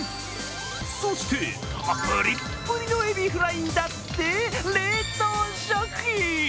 そして、ぷりっぷりのエビフライだって冷凍食品。